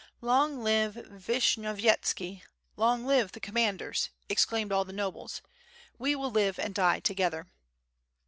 "Long live Vishnyovyetski! long live the commanders!'^ exclaimed all the nobles, "we will live and die together."